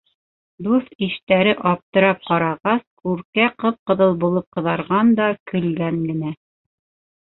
Дуҫ-иштәре аптырап ҡарағас, Күркә ҡып-ҡыҙыл булып ҡыҙарған да, көлгән генә.